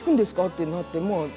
ってなって。